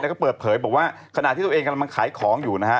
แล้วก็เปิดเผยบอกว่าขณะที่ตัวเองกำลังขายของอยู่นะฮะ